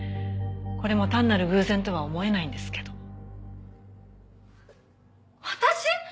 これも単なる偶然とは思えないんですけど。